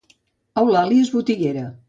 Eulàlia és botiguera